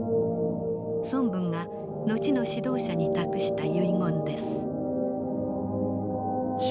孫文が後の指導者に託した遺言です。